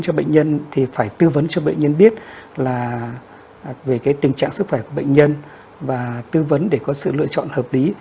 cho bệnh nhân thì phải tư vấn cho bệnh nhân biết là về tình trạng sức khỏe của bệnh nhân và tư vấn để có sự lựa chọn hợp lý